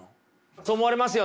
そう思われますよね。